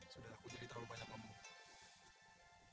sudah aku sudah jadi terlalu banyak memungut